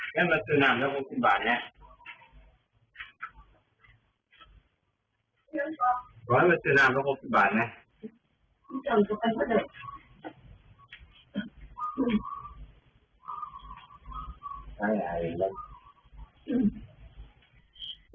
แม่มาเซอร์นามแล้วมากินบ่านเนี้ย